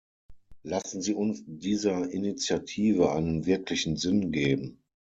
Lassen Sie uns dieser Initiative einen wirklichen Sinn geben.